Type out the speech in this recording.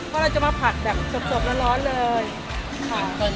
ก็เราจะมาผัดแบบสบร้อนเลยค่ะ